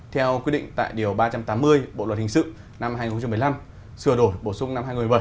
theo quy định tại điều ba trăm tám mươi bộ luật hình sự năm hai nghìn một mươi năm sửa đổi bổ sung năm hai nghìn một mươi bảy